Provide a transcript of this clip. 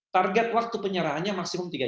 target waktu penyerahannya maksimum tiga jam